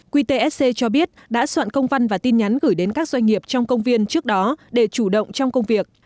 qtsc cho biết đã soạn công văn và tin nhắn gửi đến các doanh nghiệp trong công viên trước đó để chủ động trong công việc